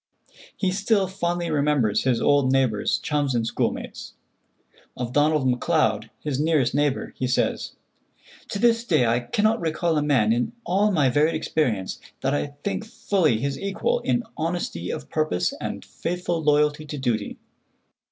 He still fondly remembers his old neighbors, chums and school mates. Of Donald MacLeod, his nearest neighbor, he says: "To this day I cannot recall a man in all my varied experience that I think fully his equal in honesty of purpose and faithful loyalty to duty."